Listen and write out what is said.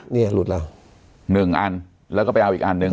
เนี่ยหลุดแล้วหนึ่งอันแล้วก็ไปเอาอีกอันหนึ่ง